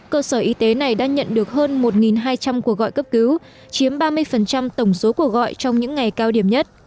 cơ sở y tế này đã nhận được hơn một hai trăm linh cuộc gọi cấp cứu chiếm ba mươi tổng số cuộc gọi trong những ngày cao điểm nhất